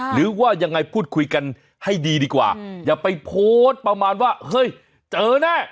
หรือว่ายังไงพูดคุยกันให้ดีดีกว่าอย่าไปโพสต์ประมาณว่าเฮ้ยเจอแน่